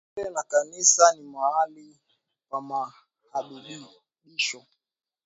Shule na kanisa ni maali pa mahadibisho